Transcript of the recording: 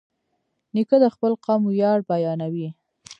نیکه د خپل قوم ویاړ بیانوي.